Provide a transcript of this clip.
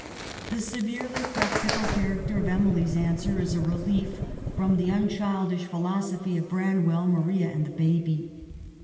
The severely practical character of Emily's answer is a relief from the unchildish philosophy of Branwell, Maria, and the baby.